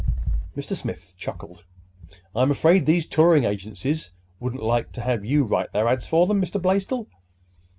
Mr. Smith chuckled. "I'm afraid these touring agencies wouldn't like to have you write their ads for them, Mr. Blaisdell!"